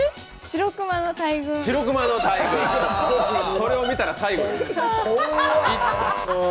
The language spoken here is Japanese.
それを見たら最後。